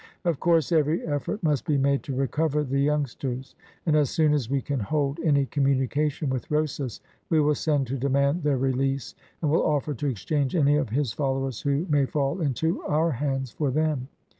"Of course every effort must be made to recover the youngsters; and as soon as we can hold any communication with Rosas, we will send to demand their release, and will offer to exchange any of his followers who may fall into our hands for them.